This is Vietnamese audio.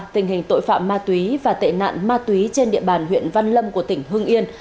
tình hình tội phạm ma túy và tệ nạn ma túy trên địa bàn huyện văn lâm của tỉnh hưng yên